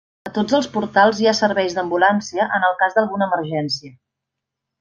A tots els portals hi ha serveis d'ambulància en el cas d'alguna emergència.